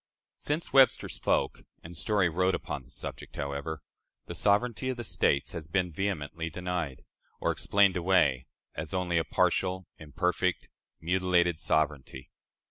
Since Webster spoke and Story wrote upon the subject, however, the sovereignty of the States has been vehemently denied, or explained away as only a partial, imperfect, mutilated sovereignty.